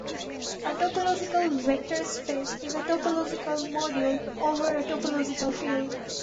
A topological vector space is a topological module over a topological field.